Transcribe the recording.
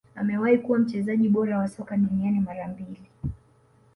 Amewahi kuwa mchezaji bora wa soka duniani mara mbili